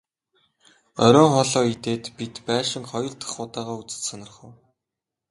Оройн хоолоо идээд бид байшинг хоёр дахь удаагаа үзэж сонирхов.